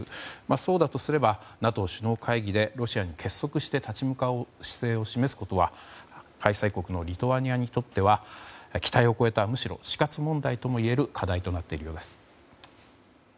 そうだとすればＮＡＴＯ首脳会議でロシアに結束して立ち向かう姿勢を示すことは開催国のリトアニアにとっては期待を超えたむしろ死活問題ともいえる課題となっているようです。